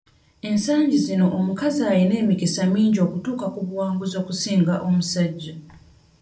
Ensangi zino omukazi ayina emikisa mingi okutuuka ku buwanguzi okusinga omusajja.